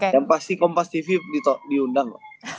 yang pasti kompas tv diundang